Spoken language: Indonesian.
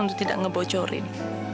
untuk tidak ngebocorin